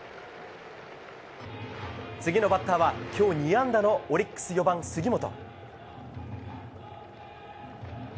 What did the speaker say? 次のバッターは今日２安打のオリックス４番、杉本。